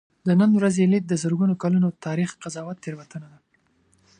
د نن ورځې لید د زرګونو کلونو تاریخ قضاوت تېروتنه ده.